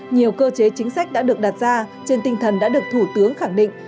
nhiều cơ chế chính sách đã được đặt ra trên tinh thần đã được thủ tướng khẳng định